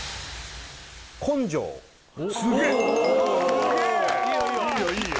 すげえいいよいいよ